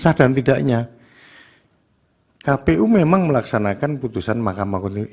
sah dan tidaknya kpu memang melaksanakan putusan mahkamah konstitusi